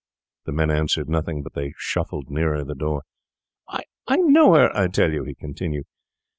The men answered nothing, but they shuffled nearer the door. 'I know her, I tell you,' he continued.